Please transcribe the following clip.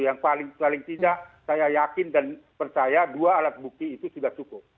yang paling tidak saya yakin dan percaya dua alat bukti itu sudah cukup